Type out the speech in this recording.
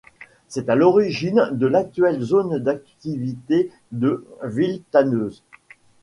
C'est l'origine de l'actuelle zone d'activité de Villetaneuse.